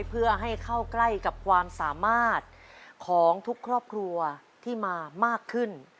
เพื่อให้เข้าใกล้กับความสามารถของทุกครอบครัวที่มามากขึ้น